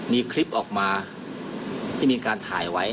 มีคลิปออกมาที่มีการถ่ายไว้